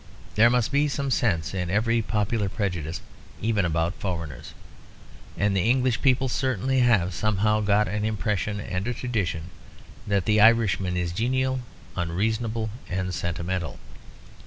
There must be some sense in every popular prejudice, even about foreigners. And the English people certainly have somehow got an impression and a tradition that the Irishman is genial, unreasonable, and sentimental.